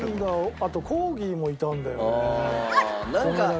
あとコーギーもいたんだよね。